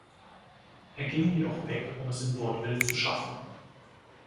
Er ging jedoch weg, um es in Vaudeville zu schaffen.